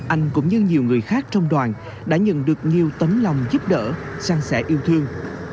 anh cũng như nhiều người khác trong đoàn đã nhận được nhiều tấm lòng giúp đỡ sang sẻ yêu thương